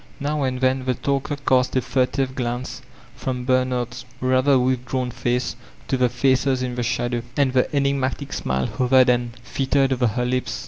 Now and then the talker cast a furtive glance from Bernard's rather withdrawn face to the faces in the shadow, and the enigmatic smile hovered and flitted over her lips.